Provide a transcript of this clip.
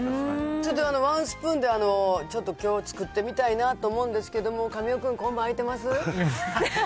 ちょっとワンスプーンでちょっときょう、作ってみたいなと思うんですけど、神尾君、今晩空いてます？